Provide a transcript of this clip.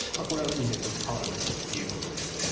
これは依然として変わらないということです。